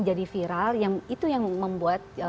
jadi viral itu yang membuat